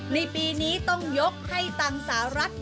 ในปีนี้ต้องยกให้ตังค์สหรัฐ